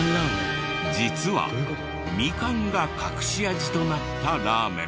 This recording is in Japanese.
実はミカンが隠し味となったラーメン。